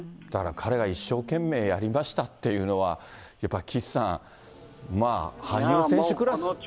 だから彼が一生懸命やりましたって言うのは、やっぱ岸さん、まあ、羽生選手クラス。